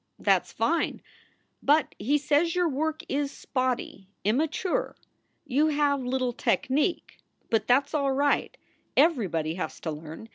SOULS FOR SALE 237 That s fine! But he says your work is spotty immature. You have little technic. But that s all right. Everybody has to learn.